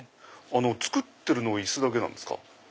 作ってるのは椅子だけですか？